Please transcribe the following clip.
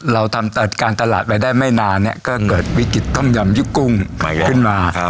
เราทำการตลาดไปได้ไม่นานเนี่ยก็เกิดวิกฤตต้มยำยุกุ้งขึ้นมาครับ